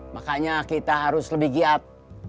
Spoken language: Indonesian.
makanya kita harus lebih giat